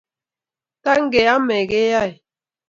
Tangeamei keyaei.